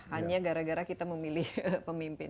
hanya gara gara kita memilih pemimpin